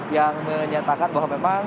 yang menyatakan bahwa memang